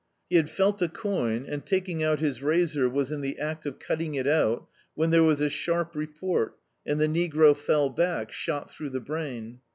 He had felt a coin and, taking out his razor, was in the act of cutting it out, when there was a sharp report, and the negro fell back shot through the brain.